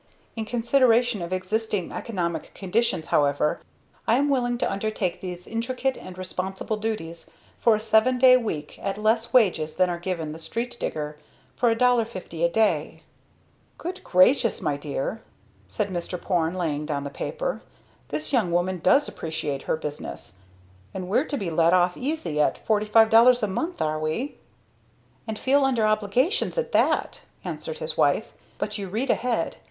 "In consideration of existing economic conditions, however, I am willing to undertake these intricate and responsible duties for a seven day week at less wages than are given the street digger, for $1.50 a day." "Good gracious, my dear!" said Mr. Porne, laying down the paper, "This young woman does appreciate her business! And we're to be let off easy at $45.00 a month, are we." "And feel under obligations at that!" answered his wife. "But you read ahead.